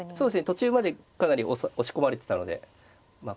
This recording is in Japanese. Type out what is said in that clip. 途中までかなり押し込まれてたのでまあ